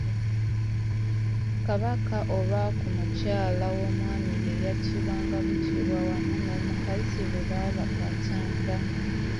Kabaka oba ku mukyala w’omwami ye yattibwanga buttibwa wamu n’omukazi bwe baabakwatanga.